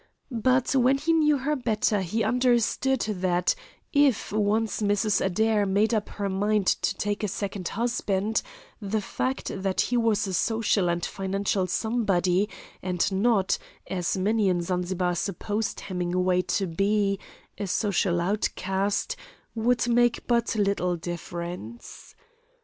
But when he knew her better he understood that if once Mrs. Adair made up her mind to take a second husband, the fact that he was a social and financial somebody, and not, as many in Zanzibar supposed Hemingway to be, a social outcast, would make but little difference.